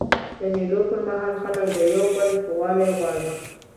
د مېلو پر مهال خلک د یو بل ښه والی غواړي.